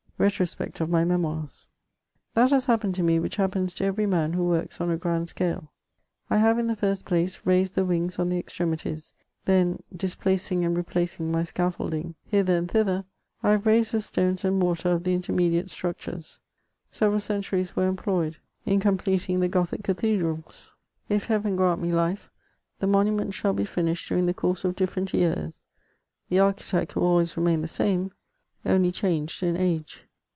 SETBOSPEGT OF HT MEMOIRS. That has happened to me, which happens to every man who works on a grand scale : I have, in the first place, raised the wings on the extremities ; then, displacing and replacing my scaffolding hither and thither, I have raised the stones and mortar of the intermediate structures; several centuries were employed in completing the Gothic cathedrals. If Heaven grant me life, the monument shall be finished during the course of different years ; the architect will always remain the same, only changed in ag^.